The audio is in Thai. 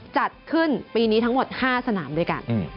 จัดขึ้นปีนี้ทั้งหมด๕สนามด้วยกัน